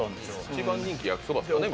一番人気焼きそばですかね